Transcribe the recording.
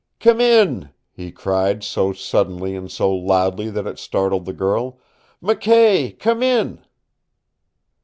"Come in," he cried, so suddenly and so loudly that it startled the girl. "McKay, come in!"